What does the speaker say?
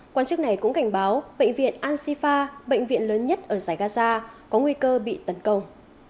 quan chức này cũng cảnh báo bệnh viện ansifa bệnh viện lớn nhất ở giải gaza có nguy cơ bị tấn công